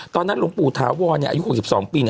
ตอนนั้นหลวงปู่ถาวรอายุ๖๒ปี